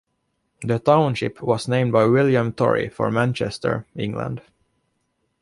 The township was named by William Torrey for Manchester, England.